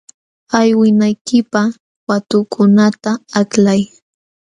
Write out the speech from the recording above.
Allwinaykipaq watukunata aklay.